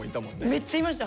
めっちゃいました。